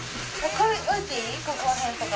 ここらへんとか。